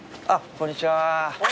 こんにちは。